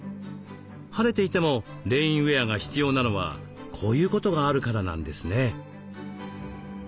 晴れていてもレインウエアが必要なのはこういうことがあるからなんですね。